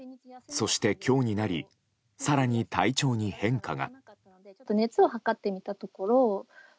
そして、今日になり更に体調に変化が。